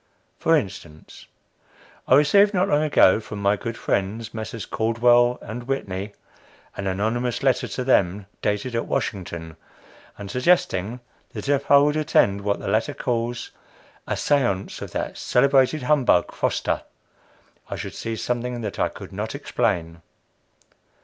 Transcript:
For instance, I received, not long ago, from my good friends, Messrs. Cauldwell & Whitney, an anonymous letter to them, dated at Washington, and suggesting that if I would attend what the latter calls "a séance of that celebrated humbug, Foster," I should see something that I could not explain.